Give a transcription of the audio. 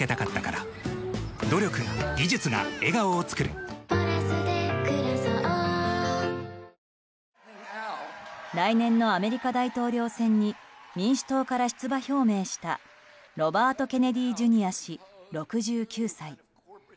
カルビー「ポテトデラックス」ＮＥＷ来年のアメリカ大統領選に民主党から出馬表明したロバート・ケネディ・ジュニア氏６９歳。